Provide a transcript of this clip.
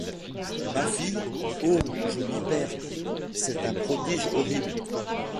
Ma fille !— Oh ! je m’y perds ! c’est un prodige horrible !